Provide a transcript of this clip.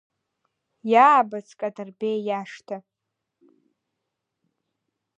Иаабац Кадырбеи иашҭа…